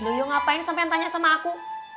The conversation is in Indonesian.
lu yuk ngapain sampe tanya sama aku